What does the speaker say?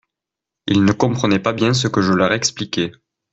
Ils ne comprenaient pas bien ce que je leur expliquais.